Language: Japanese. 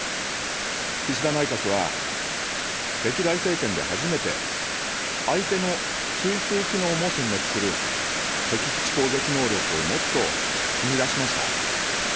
岸田内閣は、歴代政権で初めて、相手の中枢機能もせん滅する敵基地攻撃能力を持つと踏み出しました。